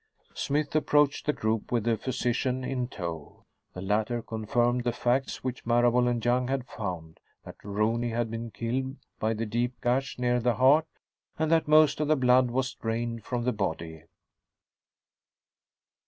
Smythe approached the group, with a physician in tow. The latter confirmed the facts which Marable and Young had found: that Rooney had been killed by the deep gash near the heart and that most of the blood was drained from the body.